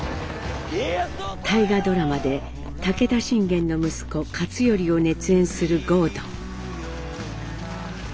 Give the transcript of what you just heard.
大河ドラマで武田信玄の息子勝頼を熱演する郷敦。